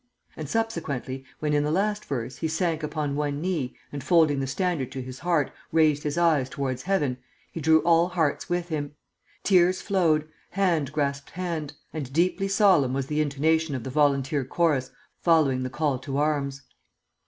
and subsequently, when in the last verse he sank upon one knee, and folding the standard to his heart, raised his eyes towards heaven, he drew all hearts with him; tears flowed, hand grasped hand, and deeply solemn was the intonation of the volunteer chorus following the call to arms!